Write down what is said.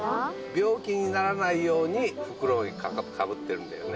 病気にならないように袋にかかってるんだよね